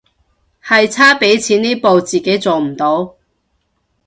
係差畀錢呢步自己做唔到